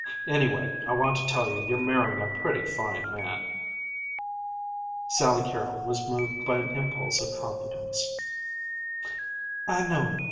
"Anyway, I want to tell you you're marrying a pretty fine man." Sally Carrol was moved by an impulse of confidence. "I know.